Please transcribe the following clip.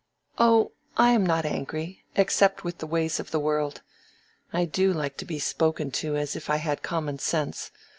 "Oh, I am not angry, except with the ways of the world. I do like to be spoken to as if I had common sense.